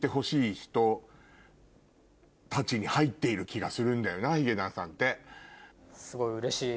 に入っている気がするんだよなヒゲダンさんて。